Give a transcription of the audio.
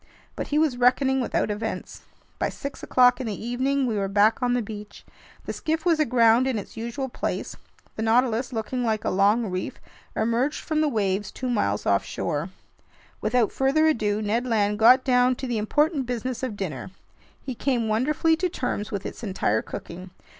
But he was reckoning without events. By six o'clock in the evening, we were back on the beach. The skiff was aground in its usual place. The Nautilus, looking like a long reef, emerged from the waves two miles offshore. Without further ado, Ned Land got down to the important business of dinner. He came wonderfully to terms with its entire cooking.